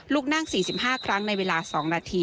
ลูกนั่ง๔๕ครั้งในเวลา๒นาที